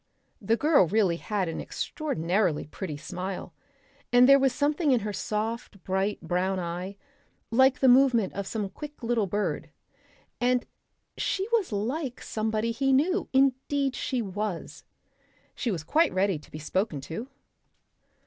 The girl really had an extraordinarily pretty smile, and there was something in her soft bright brown eye like the movement of some quick little bird. And she was like somebody he knew! Indeed she was. She was quite ready to be spoken to.